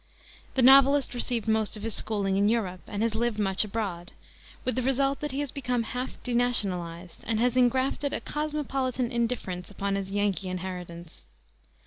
The novelist received most of his schooling in Europe, and has lived much abroad, with the result that he has become half denationalized and has engrafted a cosmopolitan indifference upon his Yankee inheritance.